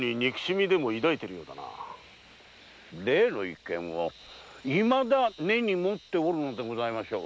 例の一件をいまだ根に持っておるのでございましょう。